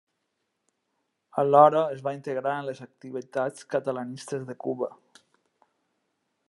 Alhora, es va integrar en les activitats catalanistes de Cuba.